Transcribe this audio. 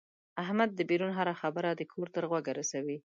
احمد دبیرون هره خبره د کور تر غوږه رسوي.